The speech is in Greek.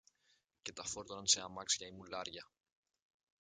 και τα φόρτωναν σε αμάξια ή σε μουλάρια